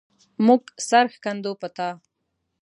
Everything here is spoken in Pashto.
مونږ سر ښندو په تا